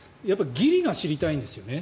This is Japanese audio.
ギリが知りたいんですよね。